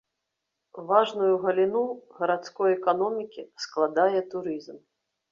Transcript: Важную галіну гарадской эканомікі складае турызм.